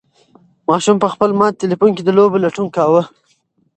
ماشوم په خپل مات تلیفون کې د لوبو لټون کاوه.